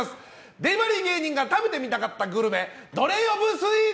デリバリー芸人が食べてみたかったグルメどれ呼ぶスイーツ。